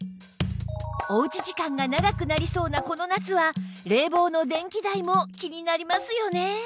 おうち時間が長くなりそうなこの夏は冷房の電気代も気になりますよね？